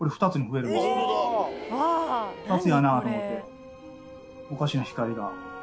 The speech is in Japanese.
２つやなと思っておかしな光が。